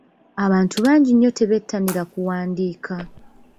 Abantu bangi nnyo tebettanira kuwandiika.